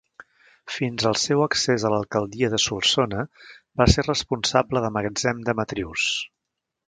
Fins al seu accés a l'alcaldia de Solsona, va ser responsable de magatzem de matrius.